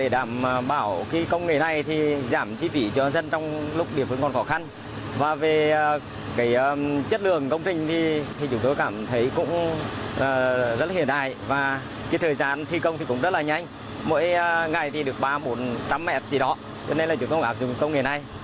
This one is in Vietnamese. các nhà thầu thi công các công trình giao thông lựa chọn ứng dụng